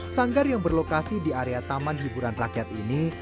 sanggar yang berlokasi di area taman hiburan rakyat ini